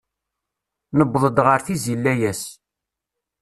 Newweḍ-d ɣer tizi n layas.